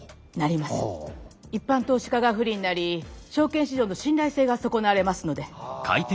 一般投資家が不利になり証券市場の信頼性が損なわれますので。